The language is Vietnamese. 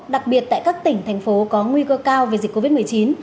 đặc biệt tại các tỉnh thành phố có nguy cơ cao về dịch